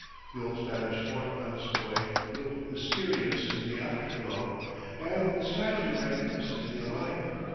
The old Spanish fort on its point looked mysterious in the afterglow, and the skies were magnificently alight.